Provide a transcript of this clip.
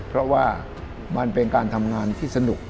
เพราะว่ามันเป็นการทำงานที่สนุก